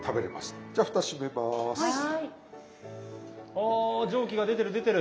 あ蒸気が出てる出てる。